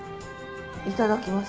いただきます。